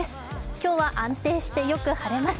今日は安定して、よく晴れます。